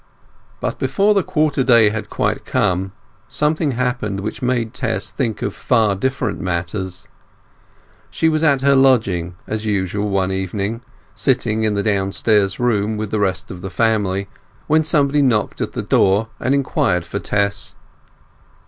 But before the quarter day had quite come, something happened which made Tess think of far different matters. She was at her lodging as usual one evening, sitting in the downstairs room with the rest of the family, when somebody knocked at the door and inquired for Tess.